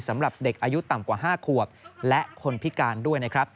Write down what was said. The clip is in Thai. สำหรับเด็กอายุต่ำเกือบ๕และคนพิการด้วย